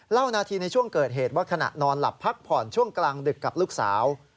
นาทีในช่วงเกิดเหตุว่าขณะนอนหลับพักผ่อนช่วงกลางดึกกับลูกสาว